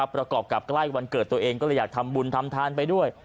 ประกอบกับใกล้วันเกิดตัวเองก็เลยอยากทำบุญทำทานไปด้วย